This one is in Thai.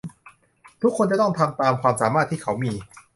ทุกคนจะต้องทำตามความสามารถที่เขามี